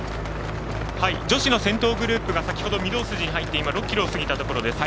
女子の先頭グループが先ほど御堂筋に入って６ｋｍを過ぎたところです。